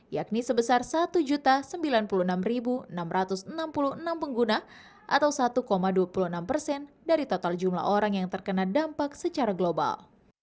yakni sebesar satu sembilan puluh enam enam ratus enam puluh enam pengguna atau satu dua puluh enam persen dari total jumlah orang yang terkena dampak secara global